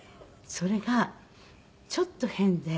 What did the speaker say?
それがちょっと変で。